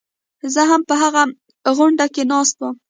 زه هم په هغه غونډه کې ناست وم.